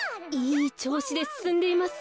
いいちょうしですすんでいます。